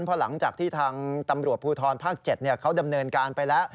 เพราะหลังจากที่ทางตำรวจภูทรภาค๗เขาดำเนินการไปแล้ว